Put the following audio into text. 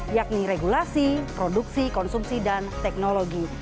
yakni regulasi produksi konsumsi dan teknologi